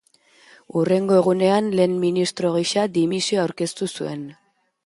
Hurrengo egunean, lehen ministro gisa dimisioa aurkeztu zuen.